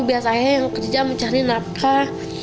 biar saya yang kerja mencari napkah